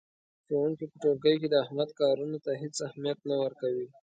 ښوونکی په ټولګي کې د احمد کارونو ته هېڅ اهمیت نه ورکوي.